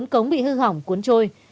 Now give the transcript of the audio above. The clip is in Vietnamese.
bốn cống bị hư hỏng cuốn trôi